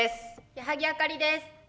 矢作あかりです。